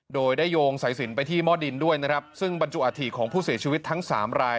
โดยได้โยงสายสินไปที่หม้อดินด้วยนะครับซึ่งบรรจุอาถิของผู้เสียชีวิตทั้งสามราย